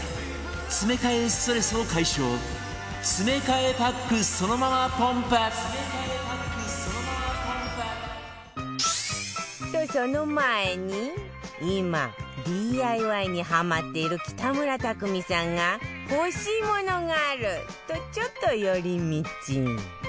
詰め替えストレスを解消とその前に今 ＤＩＹ にハマっている北村匠海さんが「欲しいものがある」とちょっと寄り道